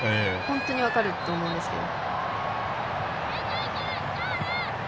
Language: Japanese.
本当に分かると思うんですけど。